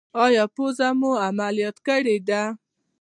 ایا پوزه مو عملیات کړې ده؟